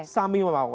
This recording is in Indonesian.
sama sama saja ya